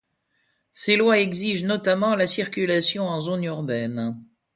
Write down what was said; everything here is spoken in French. Ces lois exigent notamment la circulation en zones urbaines.